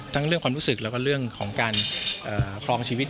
เรื่องความรู้สึกแล้วก็เรื่องของการครองชีวิต